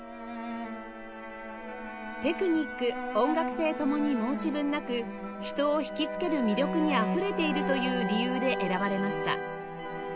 テクニック音楽性ともに申し分なく人を惹きつける魅力にあふれているという理由で選ばれました